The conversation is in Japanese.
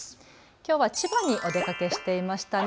きょうは千葉にお出かけしていましたね。